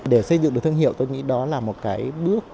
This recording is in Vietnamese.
để xây dựng được thương hiệu tôi nghĩ đó là một cái bước